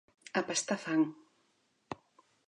A pastar fang.